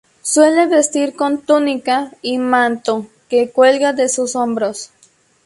Suele vestir con túnica y manto que cuelga desde sus hombros.